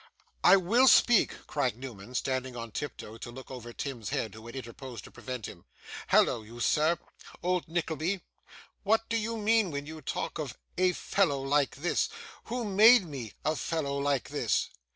'I WILL speak,' cried Newman, standing on tiptoe to look over Tim's head, who had interposed to prevent him. 'Hallo, you sir old Nickleby! what do you mean when you talk of "a fellow like this"? Who made me "a fellow like this"?